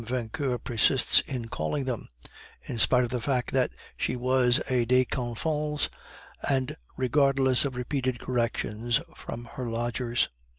Vauquer persists in calling them, in spite of the fact that she was a de Conflans, and regardless of repeated corrections from her lodgers.